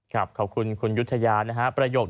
ครับขอบคุณคุณยุทยานะฮะประโยชน์